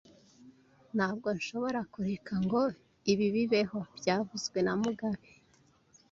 Ntabwo nshobora kureka ngo ibi bibeho byavuzwe na mugabe